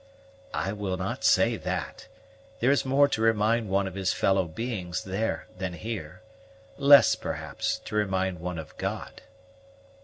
"I will not say that: there is more to remind one of his fellow beings there than here; less, perhaps, to remind one of God."